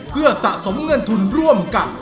เพื่อสะสมเงินทุนร่วมกัน